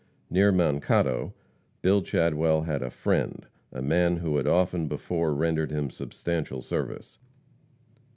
Near Mankato, Bill Chadwell had "a friend," a man who had often before rendered him substantial service.